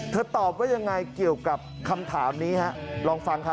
ตอบว่ายังไงเกี่ยวกับคำถามนี้ฮะลองฟังครับ